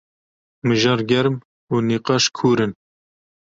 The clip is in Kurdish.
Mijar germ û nîqaş kûr in.